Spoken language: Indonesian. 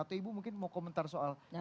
atau ibu mungkin mau komentar soal